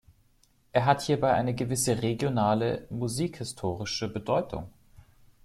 Er hat hierbei eine gewisse regionale, musikhistorische Bedeutung.